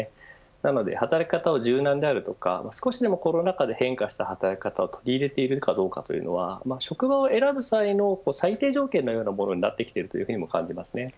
なので、働き方が柔軟であるとか少しでもコロナ禍で変化した働き方を取り入れているかどうかというのは職場を選ぶ際の最低条件のようなものになってきているというふうにも感じますね。